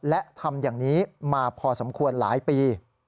และทำอย่างนี้มาพอสมควรหลายปี